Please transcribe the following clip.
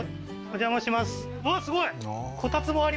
お邪魔しますうわ